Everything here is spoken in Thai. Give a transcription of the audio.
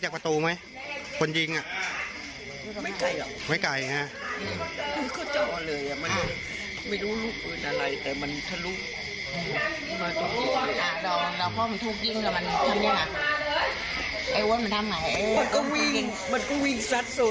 ไกลจากประตูไหมคนยิงอ่ะ